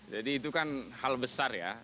jadi itu kan hal besar ya